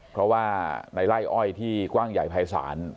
เพราะว่าในไล่อ้อยที่กว้างใหญ่ภายศาล